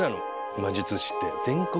魔術師って。